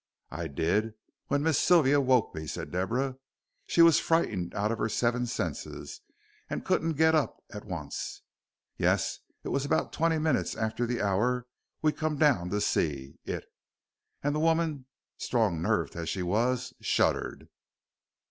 "I did, when Miss Sylvia woke me," said Deborah; "she was frightened out of her seven senses, and couldn't get up at once. Yes it was about twenty minutes after the hour we come down to see It," and the woman, strong nerved as she was, shuddered.